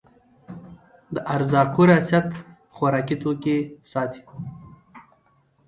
د ارزاقو ریاست خوراکي توکي ساتي